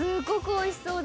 おいしそう。